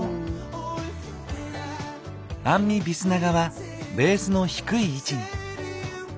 アンミ・ビスナガはベースの低い位置に。